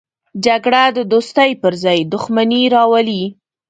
جګړه د دوستۍ پر ځای دښمني راولي